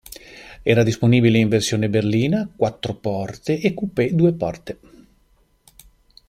Era disponibile in versione berlina quattro porte e coupé due porte.